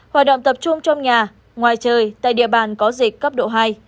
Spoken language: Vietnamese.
hoạt động tập trung trong nhà ngoài trời tại địa bàn có dịch cấp độ hai